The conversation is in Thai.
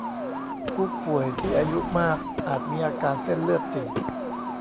ผู้ป่วยที่อายุมากอาจมีอาการเส้นเลือดตีบ